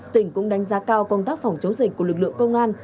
tỉnh cũng đánh giá cao công tác phòng chống dịch của lực lượng công an